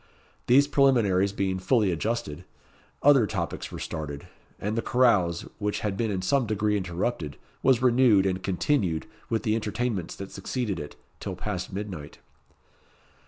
These preliminaries being fully adjusted, other topics were started, and the carouse, which had been in some degree interrupted, was renewed, and continued, with the entertainments that succeeded it, till past midnight.